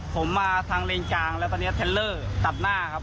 ผมมาทางเลนกลางแล้วตอนนี้เทลเลอร์ตัดหน้าครับ